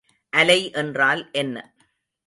அலை என்றால் என்ன?